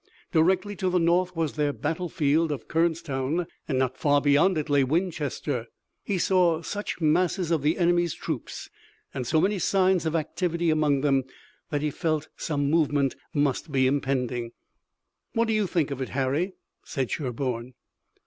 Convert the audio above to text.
Directly to the north was their battlefield of Kernstown, and not far beyond it lay Winchester. He saw such masses of the enemy's troops and so many signs of activity among them that he felt some movement must be impending. "What do you think of it, Harry?" said Sherburne.